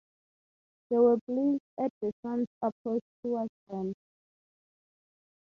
They were pleased at the sun's approach towards them.